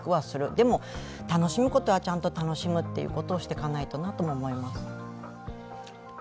でも、楽しむことはちゃんと楽しむってことをちゃんとしていかないとなと思います。